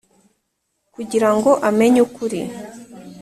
kugira ngo amenye ukuri